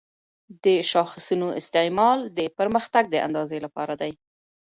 د شاخصونو استعمال د پرمختګ د اندازې لپاره دی.